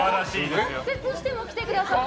骨折しても来てくださって。